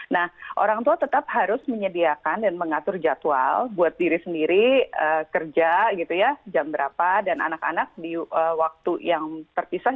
nah orang tua tetap harus menyediakan dan mengatur jadwal buat diri sendiri kerja gitu ya jam berapa dan anak anak di waktu yang terpisah